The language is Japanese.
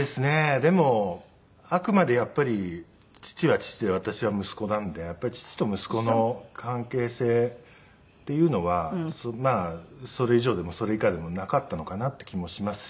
でもあくまでやっぱり父は父で私は息子なんでやっぱり父と息子の関係性っていうのはまあそれ以上でもそれ以下でもなかったのかなって気もしますし。